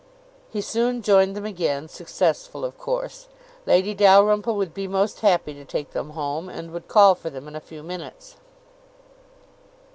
He soon joined them again, successful, of course; Lady Dalrymple would be most happy to take them home, and would call for them in a few minutes.